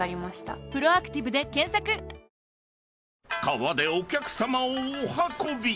［川でお客さまをお運び。